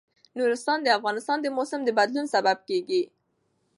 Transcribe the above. نورستان د افغانستان د موسم د بدلون سبب کېږي.